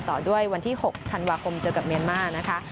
ต่อด้วยวันที่๖ธันวาคมเจอกับเมียนมานะคะ